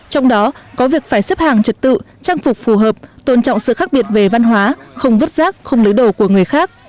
trong đó có việc phải xếp hàng trật tự trang phục phù hợp tôn trọng sự khác biệt về văn hóa không vứt rác không lấy đồ của người khác